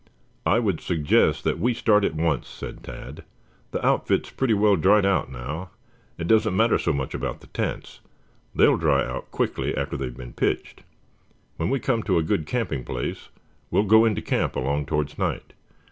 "I would suggest that we start at once," said Tad. "The outfit is pretty well dried out now. It doesn't matter so much about the tents. They will dry quickly after they have been pitched. When we come to a good camping place we will go into camp along towards night.